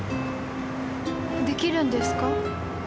できるんですか？